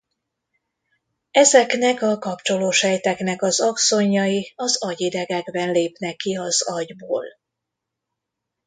Ezeknek a kapcsoló sejteknek az axonjai az agyidegekben lépnek ki az agyból.